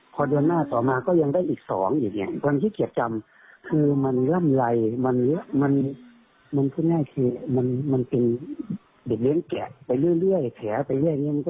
พอเดือนหน้าต่อมาก็ยังได้อีกสองอยู่เนี่ยวันที่เขียกจำมันร่ำไรมันเบ็บเลี้ยงแกะไปเรื่อย